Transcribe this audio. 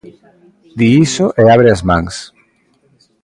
Di iso e abre as mans.